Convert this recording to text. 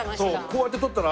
こうやって撮ったら。